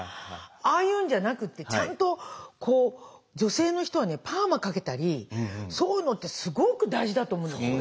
ああいうんじゃなくってちゃんとこう女性の人はねパーマかけたりそういうのってすごく大事だと思うんですよ。